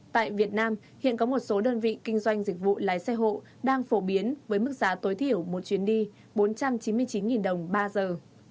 tại việt nam hiện có một số đơn vị kinh doanh dịch vụ lái xe hộ đang phổ biến với mức giá tối thiểu một chuyến đi bốn trăm chín mươi chín đồng ba giờ